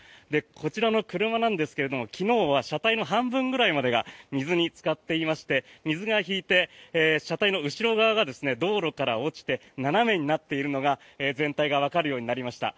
こちらの車なんですが昨日は車体の半分ぐらいまでが水につかっていまして水が引いて車体の後ろ側が道路から落ちて斜めになっているのが全体がわかるようになりました。